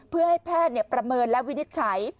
เพื่อให้แพทย์ประเมินและวินิจฉัย